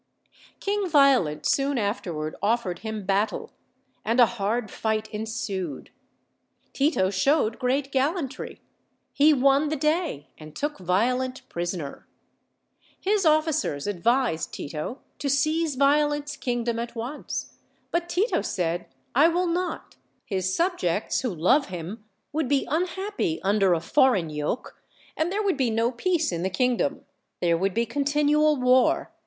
King Violent soon afterward offered him battle, and a hard fight ensued. Tito showed great gallantry; he won the day, and took Violent prisoner. His officers advised Tito to seize Violent's kingdom at once; but Tito said, "I will not; his subjects, who love him, would be unhappy under a foreign yoke, and there would be no peace in the kingdom. There would be continual war.